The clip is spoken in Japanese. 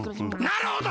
なるほど！